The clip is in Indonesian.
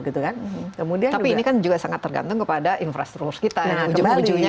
tapi ini kan juga sangat tergantung kepada infrastruktur kita